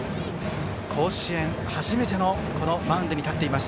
甲子園、初めてのマウンドに立っています